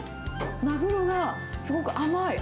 マグロがすごく甘い。